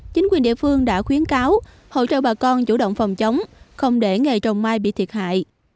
chính quyền địa phương đã khuyến cáo hỗ trợ bà con chủ động phòng chống không để nghề trồng mai bị thiệt hại